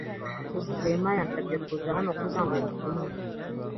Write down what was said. Rwema yansabye kuza hano gutanga ubu butumwa.